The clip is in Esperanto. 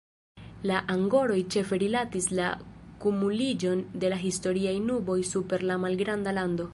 La angoroj ĉefe rilatis la kumuliĝon de la historiaj nuboj super la malgranda lando.